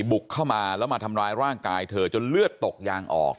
บุกเข้ามาแล้วมาทำร้ายร่างกายเธอจนเลือดตกยางออก